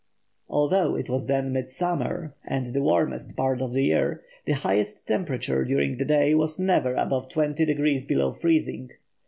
Although it was then midsummer, and the warmest part of the year, the highest temperature during the day was never above twenty degrees below freezing.